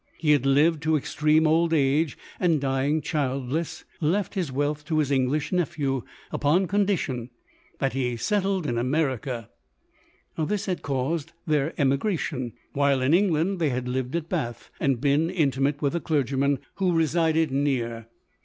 He had lived to extreme old age; and dying childless, left his wealth to his English nephew, upon condition that he settled in America. This had caused their emigration. While in England, they had lived at Bath, and been in timate with a clergyman, who resided near. LODORE.